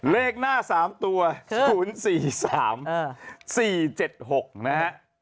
เลขหน้า๓ตัว๐๔๓๔๗๖นะฮะ